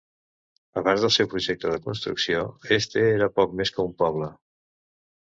Abans del seu projecte de construcció, Este era poc més que un poble.